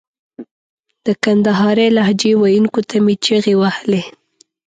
د کندهارۍ لهجې ویونکو ته مې چیغې وهلې.